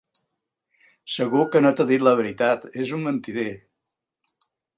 Segur que no t'ha dit la veritat: és un mentider.